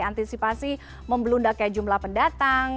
antisipasi membelunda kayak jumlah pendatang